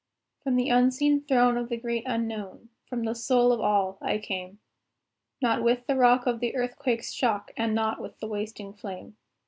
From the unseen throne of the Great Unknown, From the Soul of All, I came; Not with the rock of the earthquake's shock, And not with the wasting flame.